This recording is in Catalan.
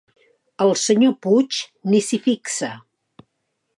El senyor Puig ni s'hi fixa.